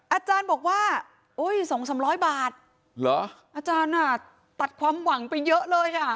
อาจารย์บอกว่าโอ้ยสองสามร้อยบาทเหรออาจารย์อ่ะตัดความหวังไปเยอะเลยอ่ะ